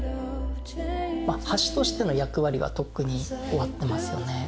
橋としての役割はとっくに終わってますよね。